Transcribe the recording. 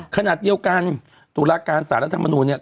ขนาดเดียวกันตุลาการศาสตร์รัฐธรรมนุนเนี่ย